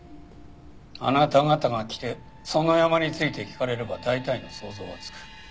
あなた方が来て園山について聞かれれば大体の想像はつく。